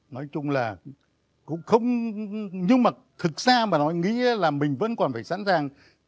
nói chung là cũng không nhưng mà thực ra mà nói nghĩ là mình vẫn còn phải sẵn sàng